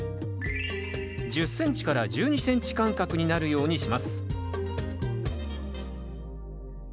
１０ｃｍ１２ｃｍ間隔になるようにします